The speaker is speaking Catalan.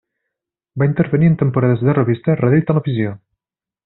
Va intervenir en temporades de revista, ràdio i televisió.